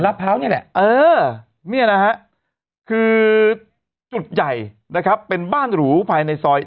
พร้าวนี่แหละเออเนี่ยนะฮะคือจุดใหญ่นะครับเป็นบ้านหรูภายในซอย